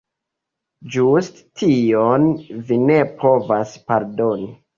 Ĝuste tion vi ne povas pardoni.